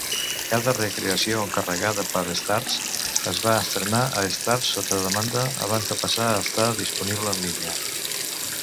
Cada recreació encarregada per Starz es va estrenar a Starz sota demanda abans de passar a estar disponible en línia.